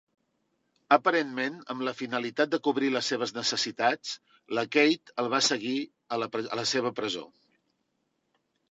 Aparentment, amb la finalitat de cobrir les seves necessitats, la Kate el va seguir a la seva presó.